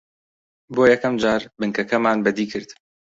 بۆ یەکەم جار بنکەکەمان بەدی کرد